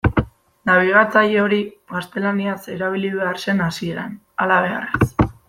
Nabigatzaile hori gaztelaniaz erabili behar zen hasieran, halabeharrez.